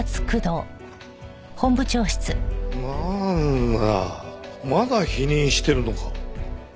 なんだまだ否認してるのか？